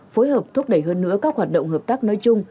phối hợp thúc đẩy hơn nữa các hoạt động hợp tác nói chung